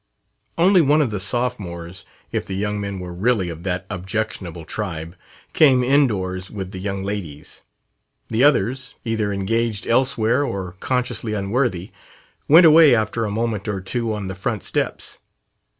Only one of the sophomores if the young men were really of that objectionable tribe came indoors with the young ladies. The others either engaged elsewhere or consciously unworthy went away after a moment or two on the front steps.